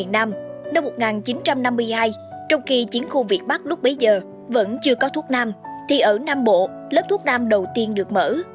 năm một nghìn chín trăm năm mươi hai trong khi chiến khu việt bắc lúc bấy giờ vẫn chưa có thuốc nam thì ở nam bộ lớp thuốc nam đầu tiên được mở